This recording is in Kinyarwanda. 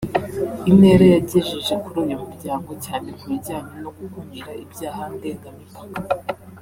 intera yagejeje kuri uyu muryango cyane ku bijyanye no gukumira ibyaha ndengamipaka